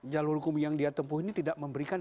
jalur hukum yang dia tempuh ini tidak memberikan